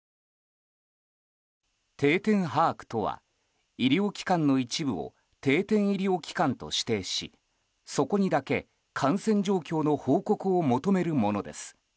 定点把握とは、医療機関の一部を定点医療機関と指定しそこにだけ感染状況の報告を求めるものです。